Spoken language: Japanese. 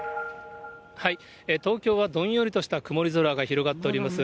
東京はどんよりとした曇り空が広がっております。